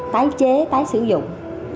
tái chế tái sử dụng